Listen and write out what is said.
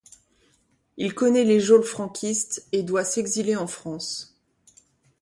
Il connaît les geôles franquistes et doit s'exiler en France.